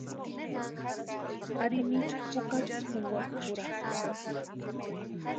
Ari mitʼu jukari pʼunkwarhi jurakʼusïnti.